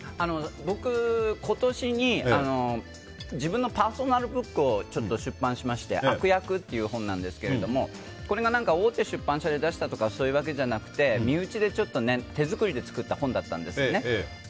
僕、今年に自分のパーソナルブックを出版しまして「悪役」という本なんですけどこれが大手出版社で出したとかそういうわけじゃなくて身内でちょっと手作りで作った本だったんですね。